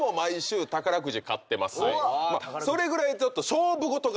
それぐらいちょっと。